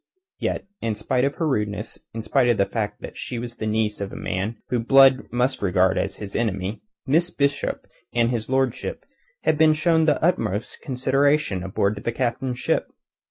Yet, in spite of her rudeness, in spite of the fact that she was the niece of a man whom Blood must regard as his enemy, Miss Bishop and his lordship had been shown the utmost consideration aboard the Captain's ship.